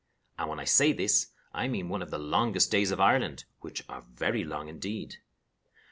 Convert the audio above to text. And, when I say this, I mean one of the longest days of Ireland, which are very long indeed.